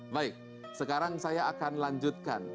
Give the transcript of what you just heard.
baik sekarang saya akan lanjutkan